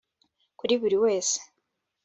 kuri buri wese